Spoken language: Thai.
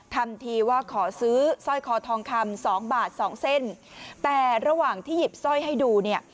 ทำทีว่าขอซื้อสร้อยคอทองคำสองบาทสองเส้นแต่ระหว่างที่หยิบสร้อยให้ดูเนี่ย